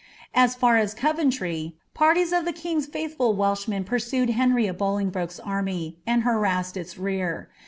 As far as Coventry, parties of the king's faithful Welshmen pursued Henry of Bolingbroke's army, sni) harassed its rear.